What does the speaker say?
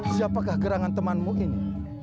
siapakah gerangan temanmu ini